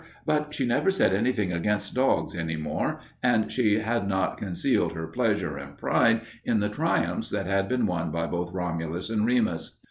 But she never said anything against dogs any more, and she had not concealed her pleasure and pride in the triumphs that had been won by both Romulus and Remus.